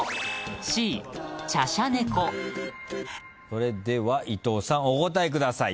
それでは伊藤さんお答えください。